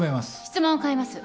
質問を変えます。